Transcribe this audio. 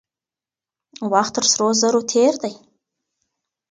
وخت تر سرو زرو تېر دی.